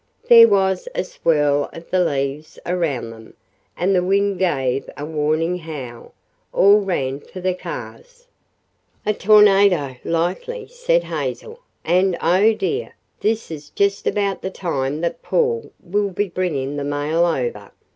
There was a swirl of the leaves around them, and the wind gave a warning howl. All ran for the cars. "A tornado, likely," said Hazel. "And, oh, dear! this is just about the time that Paul will be bringing the mail over.